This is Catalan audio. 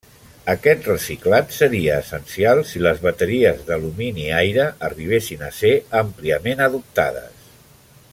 Aquest reciclat seria essencial si les bateries d'alumini-aire arribessin a ser àmpliament adoptades.